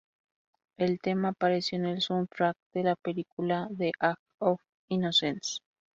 El tema apareció en el soundtrack de la película The Age of Innocence.